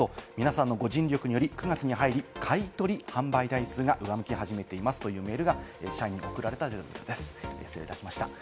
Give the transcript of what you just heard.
皆さんのご尽力により９月に入り、買い取り販売台数が上向き始めていますというメールが社員に送られたということです。